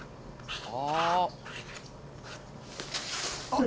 「ああ」